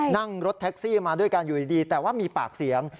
นั่งรถแท็กซี่มาด้วยกันอยู่ดีแต่ว่ามีปากเสียง